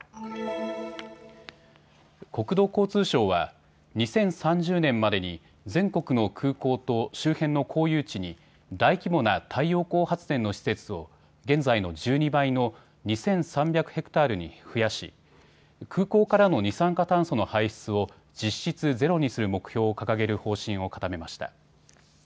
国土交通省は２０３０年までに全国の空港と周辺の公有地に大規模な太陽光発電の施設を現在の１２倍の２３００ｈａに増やし空港からの二酸化炭素の排出を実質ゼロにする目標を掲げる方針を固めました。